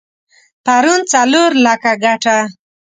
پرون څلور لکه ګټه؛